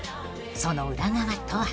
［その裏側とは？］